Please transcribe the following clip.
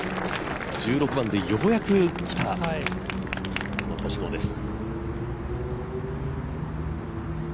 １６番でようやくきた星野です。